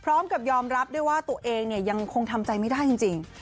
พร้อมกับยอมรับด้วยว่าตัวเองเนี่ยยังคงทำใจไม่ได้จริง